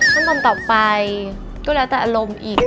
ขณะต่อไปก็แล้วแต่อารมณ์อีก